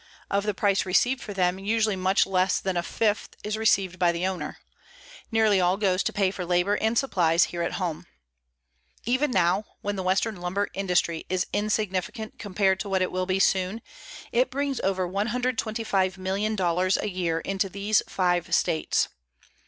Of the price received for them usually much less than a fifth is received by the owner. Nearly all goes to pay for labor and supplies here at home. _Even now, when the western lumber industry is insignificant compared to what it will be soon, it brings over $125,000,000 a year into these five states.